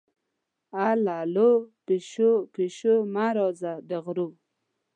اللو للو، پیشو-پیشو مه راځه د غرو